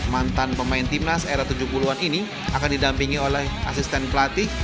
mantan pemain timnas era tujuh puluh an ini akan didampingi oleh asisten pelatih